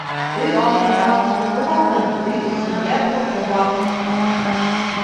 Өй артында ҡорто барҙың өй эсендә ҡото бар.